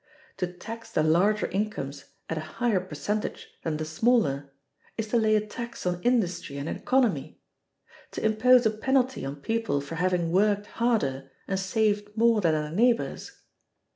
To tax the larger incomes at a higher percentage than the smaller is to lay a tax on industry and economy; to impose a penalty on people for having worked harder and saved more than their neighbors.